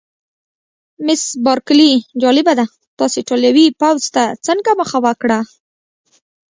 مس بارکلي: جالبه ده، تاسي ایټالوي پوځ ته څنګه مخه وکړه؟